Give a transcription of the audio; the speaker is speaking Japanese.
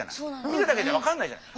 見るだけじゃ分かんないじゃない？